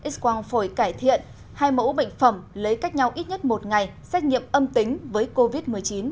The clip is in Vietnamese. x quang phổi cải thiện hai mẫu bệnh phẩm lấy cách nhau ít nhất một ngày xét nghiệm âm tính với covid một mươi chín